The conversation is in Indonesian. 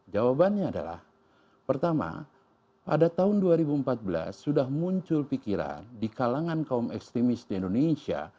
jawabannya adalah pertama pada tahun dua ribu empat belas sudah muncul pikiran di kalangan kaum ekstremis di indonesia